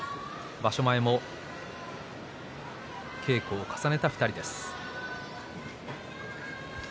場所前も稽古を重ねた２人です。